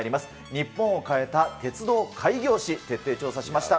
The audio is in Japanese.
日本を変えた鉄道開業史、徹底調査しました。